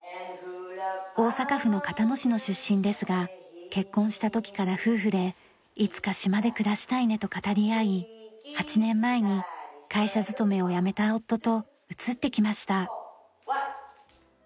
大阪府の交野市の出身ですが結婚した時から夫婦で「いつか島で暮らしたいね」と語り合い８年前に会社勤めをやめた夫と移ってきました。